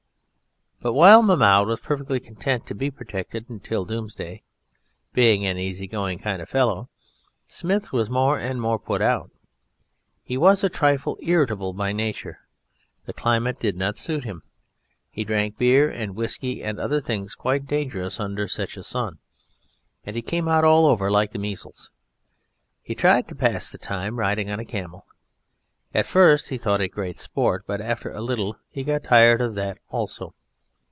But while Mahmoud was perfectly content to be protected till Doomsday, being an easy going kind of fellow, Smith was more and more put out. He was a trifle irritable by nature. The climate did not suit him. He drank beer and whisky and other things quite dangerous under such a sun, and he came out all over like the measles. He tried to pass the time riding on a camel. At first he thought it great sport, but after a little he got tired of that also.